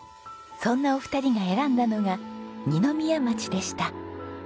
そんなお二人が選んだのが二宮町でした。